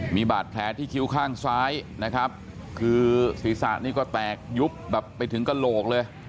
มีบาดแผลที่คิ้วข้างซ้ายนะครับคือศีรษะนี่ก็แตกยุบแบบไปถึงกระโหลกเลย